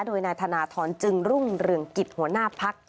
โดยนายธนทรจึงรุ่งเรืองกิจหัวหน้าพัก